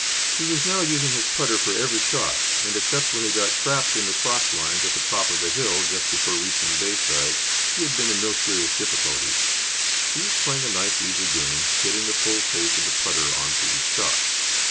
He was now using his putter for every shot, and, except when he got trapped in the cross lines at the top of the hill just before reaching Bayside, he had been in no serious difficulties. He was playing a nice easy game, getting the full face of the putter on to each shot.